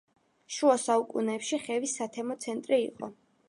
შუა საუკუნეებში ხევის სათემო ცენტრი იყო.